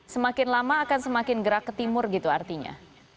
semakin lama akan semakin gerak ke timur gitu artinya